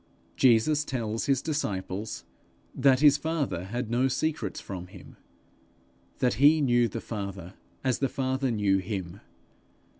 Jesus tells his disciples that his father had no secrets from him; that he knew the Father as the Father knew him.